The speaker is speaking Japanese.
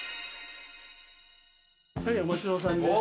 お待ちどおさんです。